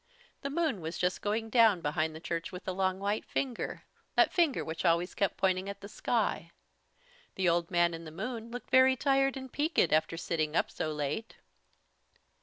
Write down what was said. The moon was just going down behind the Church with the Long White Finger, that finger which always kept pointing at the sky. The Old Man in the Moon looked very tired and peaked after sitting up so late.